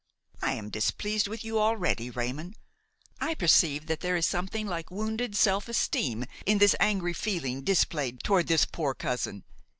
I am displeased with you already, Raymon; I perceive that there is something like wounded self esteem in this angry feeling displayed toward this poor cousin.